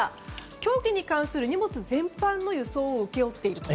競技に関する荷物全般の輸送を請け負っていると。